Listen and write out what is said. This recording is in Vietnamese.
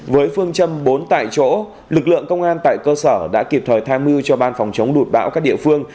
với phương châm bốn tại chỗ lực lượng công an tại cơ sở đã kịp thời thai mưu cho ban phòng chống lụt bão các địa phương